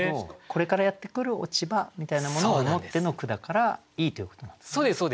これからやってくる落葉みたいなものを思っての句だからいいということなんですね。